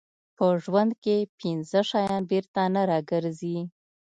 په ژوند کې پنځه شیان بېرته نه راګرځي.